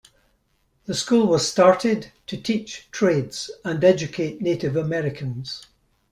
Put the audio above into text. The school was started to teach trades and educate Native Americans.